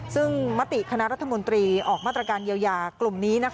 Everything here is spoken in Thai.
ซึ่งมติคณะรัฐมนตรีออกมาตรการเยียวยากลุ่มนี้